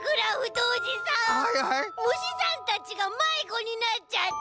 むしさんたちがまいごになっちゃった。